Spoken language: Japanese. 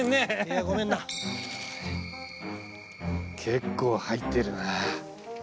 結構入ってるな。